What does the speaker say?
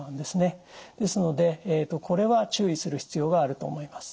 ですのでこれは注意する必要があると思います。